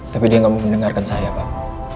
tapi dia nggak mau mendengarkan saya pak